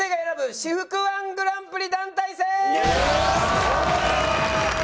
私服−１グランプリ団体戦！